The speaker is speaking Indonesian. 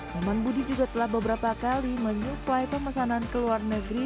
heman budi juga telah beberapa kali menyuplai pemesanan ke luar negeri